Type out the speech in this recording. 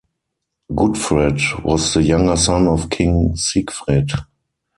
Gudfred was the younger son of King Sigfred.